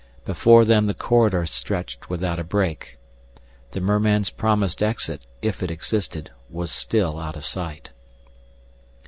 Before them the corridor stretched without a break. The merman's promised exit, if it existed, was still out of sight.